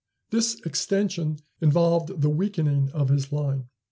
This extension involved the weakening of his line.